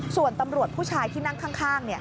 ส่วนตำรวจผู้ชายที่นั่งข้าง